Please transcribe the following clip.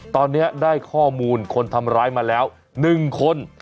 ตอนนี้ได้ข้อมูลคนทำร้ายมาแล้ว๑คน